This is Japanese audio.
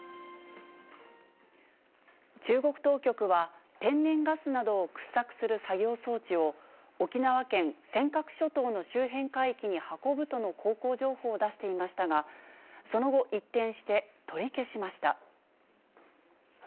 中国当局は天然ガスなどを掘削する作業装置を、沖縄県尖閣諸島の周辺海域に運ぶとの航行情報を出していましたが、その後一転して、取り消しました。